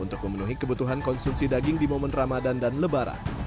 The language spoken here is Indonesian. untuk memenuhi kebutuhan konsumsi daging di momen ramadan dan lebaran